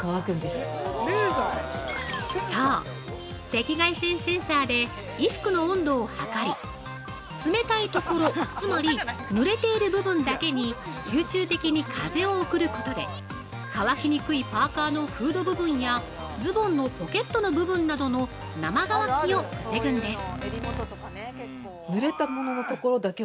赤外線センサーで衣服の温度をはかり、冷たいところ、つまり、ぬれている部分だけに集中的に風を送ることで、乾きにくいパーカーのフード部分やズボンのポケットの部分などの生乾きを防ぐんです。